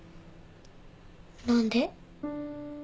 何で？